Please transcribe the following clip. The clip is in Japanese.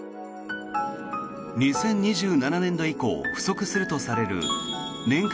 ２０２７年度以降不足するとされる年間